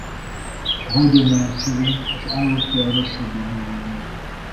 A hagyomány szerint az állott tea rosszabb a méregnél.